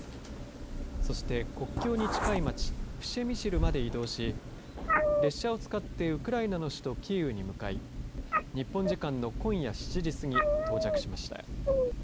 そして、国境に近い街プシェミシルまで移動し列車を使ってウクライナの首都キーウに向かい日本時間の今夜７時過ぎ到着しました。